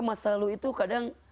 masa lalu itu kadang